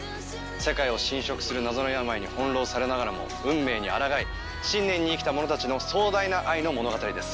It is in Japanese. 世界を侵食する謎の病に翻弄されながらも運命にあらがい信念に生きた者たちの壮大な愛の物語です。